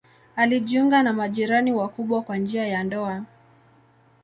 Alijiunga na majirani wakubwa kwa njia ya ndoa.